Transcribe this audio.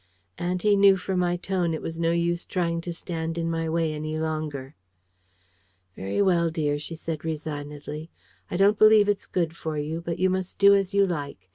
Auntie knew from my tone it was no use trying to stand in my way any longer. "Very well, dear," she said resignedly. "I don't believe it's good for you: but you must do as you like.